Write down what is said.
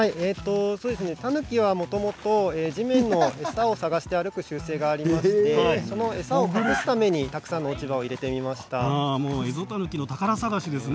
タヌキはもともと地面の餌を探して歩く習性がありまして、その餌を隠すためにたくさんの落ち葉をエゾタヌキの宝探しですね